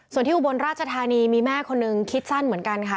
ส่วนที่อุบลราชธานีมีแม่คนนึงคิดสั้นเหมือนกันค่ะ